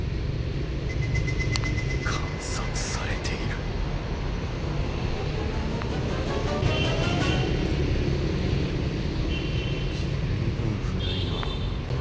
観察されている随分古いなあ。